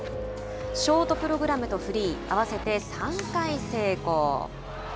ショートプログラムとフリー合わせて３回成功。